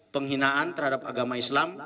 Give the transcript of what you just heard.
penghinaan terhadap agama islam